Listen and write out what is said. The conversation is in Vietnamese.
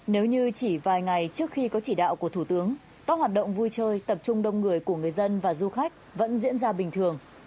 nếu như chỉ vài ngày trước khi có chỉ đạo của thủ tướng các hoạt động vui chơi tập trung đông người của người dân và du khách vẫn diễn ra bình thường